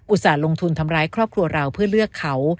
ส่าห์ลงทุนทำร้ายครอบครัวเราเพื่อเลือกเขา